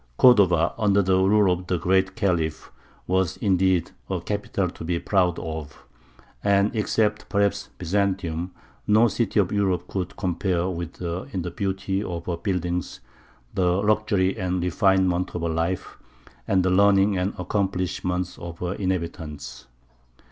Cordova, under the rule of the Great Khalif, was indeed a capital to be proud of; and except perhaps Byzantium, no city of Europe could compare with her in the beauty of her buildings, the luxury and refinement of her life, and the learning and accomplishments of her inhabitants.